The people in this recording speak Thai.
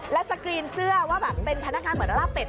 แล้วสตรีนเสื้อว่าเป็นพนักงานแบบลาเป็ด